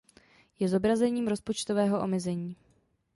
Je zobrazením rozpočtového omezení.